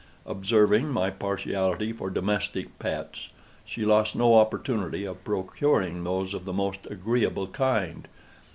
Observing my partiality for domestic pets, she lost no opportunity of procuring those of the most agreeable kind.